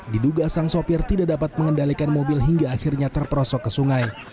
diduga sang sopir tidak dapat mengendalikan mobil hingga akhirnya terperosok ke sungai